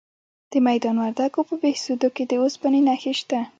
د میدان وردګو په بهسودو کې د اوسپنې نښې شته.